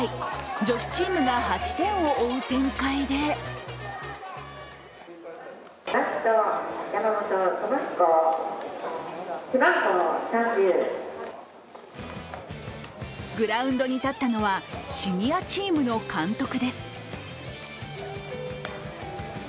女子チームが８点を追う展開でグラウンドに立ったのはシニアチームの監督です。